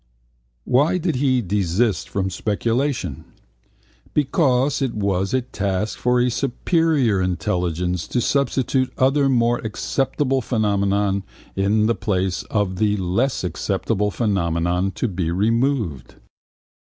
Why did he desist from speculation? Because it was a task for a superior intelligence to substitute other more acceptable phenomena in the place of the less acceptable phenomena to be removed.